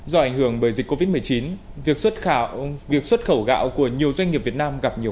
do ảnh hưởng bởi dịch covid một mươi chín việc xuất khẩu gạo của nhiều doanh nghiệp việt nam gặp nhiều